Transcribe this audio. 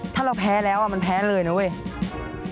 ถ้าเราแพ้แล้วมันแพ้เลยนะเว้ย